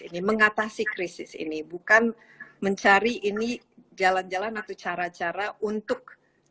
ini mengatasi krisis ini bukan mencari ini jalan jalan atau cara cara untuk